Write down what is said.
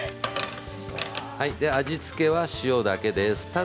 味付けは塩だけです。